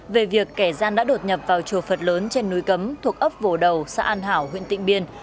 về việc kẻ gian đã đột nhập vào chùa phật lớn trên núi cấm thuộc ấp vồ đầu xã an hảo huyện tịnh biên